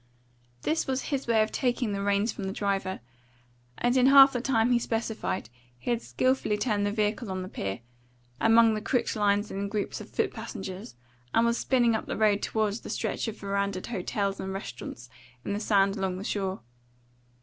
This was his way of taking the reins from the driver; and in half the time he specified, he had skilfully turned the vehicle on the pier, among the crooked lines and groups of foot passengers, and was spinning up the road toward the stretch of verandaed hotels and restaurants in the sand along the shore.